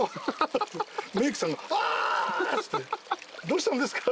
どうしたんですか？